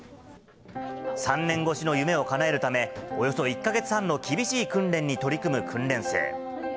３年越しの夢をかなえるため、およそ１か月半の厳しい訓練に取り組む訓練生。